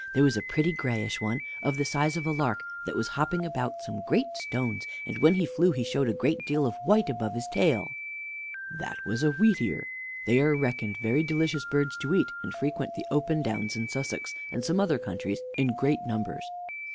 There was a pretty grayish one, of the size of a lark, that was hopping about some great stones; and when he flew he showed a great deal of white above his tail. Mr. A. That was a wheatear. They are reckoned very delicious birds to eat, and frequent the open downs in Sussex, and some other countries, in great numbers. W.